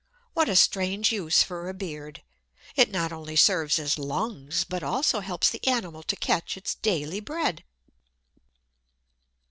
What a strange use for a "beard"! It not only serves as lungs, but also helps the animal to catch its "daily bread"!